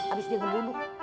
abis dia ngembunduk